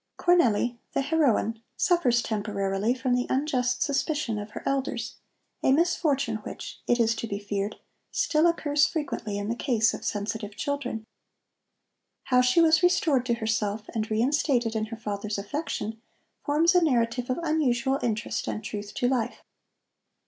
Cornelli, the heroine, suffers temporarily from the unjust suspicion of her elders, a misfortune which, it is to be feared, still occurs frequently in the case of sensitive children. How she was restored to herself and reinstated in her father's affection forms a narrative of unusual interest and truth to life.